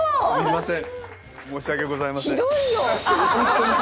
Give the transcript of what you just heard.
すみません。